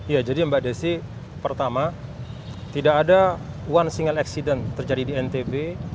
ya jadi mbak desi pertama tidak ada one single accident terjadi di ntb